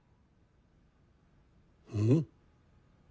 うん？